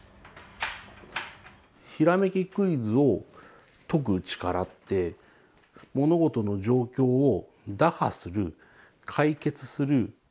ひらめきクイズを解く力って物事の状況を打破する解決する手段を見つけてることなんですよね。